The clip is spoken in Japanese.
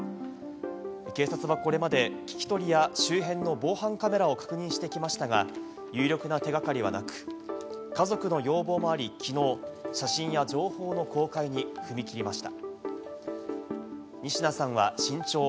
警察はこれまで聞き取りや周辺の防犯カメラを確認してきましたが、有力な手掛かりはなく、家族の要望もあり、きのう写真や情報の公開に踏み切りました。